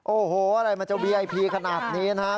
โอ้โหอะไรมันจะวีไอพีขนาดนี้นะครับ